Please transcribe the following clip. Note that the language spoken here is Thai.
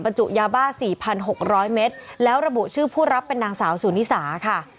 บรรจุยาบ้าสี่พันหกร้อยเมตรแล้วระบุชื่อผู้รับเป็นนางสาวศูนิษาค่ะ